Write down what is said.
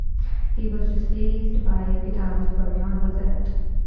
He was replaced by guitarist Bryan Bassett.